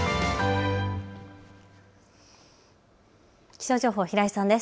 気象情報、平井さんです。